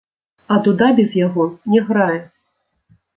А дуда без яго не грае.